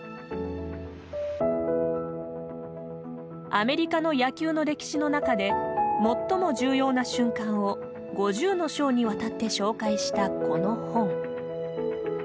アメリカの野球の歴史の中で最も重要な瞬間を５０の章にわたって紹介したこの本。